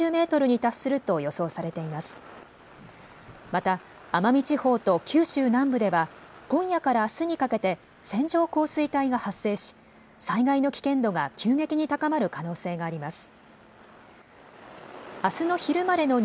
また奄美地方と九州南部では今夜からあすにかけて線状降水帯が発生し災害の危険度が急激に高まる可能性があります。